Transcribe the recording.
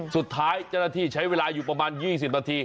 สุดท้ายเจ้าหน้าที่ใช้เวลาอยู่ประมาณ๒๐นาที